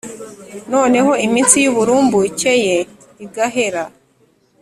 noneho iminsi y’uburumbuke ye igahera